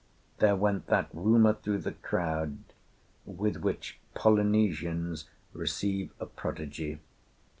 "There went that rumour through the crowd with which Polynesians receive a prodigy.